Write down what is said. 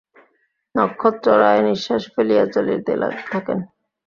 নক্ষত্ররায় নিশ্বাস ফেলিয়া চলিতে থাকেন।